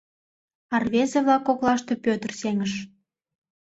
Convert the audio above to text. А рвезе-влак коклаште Пӧтыр сеҥыш.